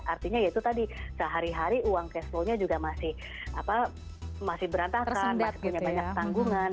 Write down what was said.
artinya ya itu tadi sehari hari uang cash flow nya juga masih berantakan masih punya banyak tanggungan